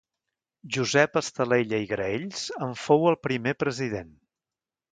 Josep Estalella i Graells en fou el primer president.